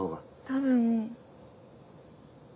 多分。